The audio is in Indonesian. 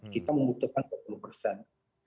kita membutuhkan sepuluh persen